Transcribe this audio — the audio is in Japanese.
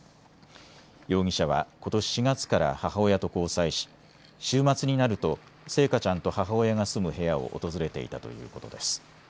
容疑者はことし４月から母親と交際し、週末になると星華ちゃんと母親が住む部屋を訪れていたということです。